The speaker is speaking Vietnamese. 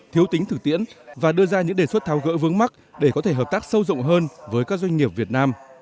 thiếu tính thực tiễn và đưa ra những đề xuất tháo gỡ vướng mắt để có thể hợp tác sâu rộng hơn với các doanh nghiệp việt nam